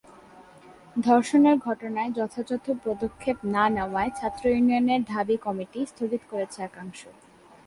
ধর্ষণের ঘটনায় ‘যথাযথ পদক্ষেপ’ না নেওয়ায় ছাত্র ইউনিয়নের ঢাবি কমিটি স্থগিত করেছে একাংশ